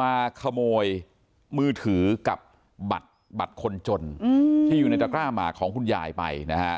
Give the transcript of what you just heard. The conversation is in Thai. มาขโมยมือถือกับบัตรคนจนที่อยู่ในตระกร้าหมากของคุณยายไปนะฮะ